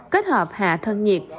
kết hợp hạ thân nhiệt